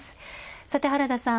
さて原田さん。